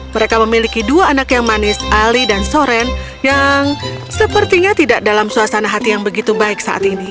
mereka memiliki dua anak yang manis ali dan soren yang sepertinya tidak dalam suasana hati yang begitu baik saat ini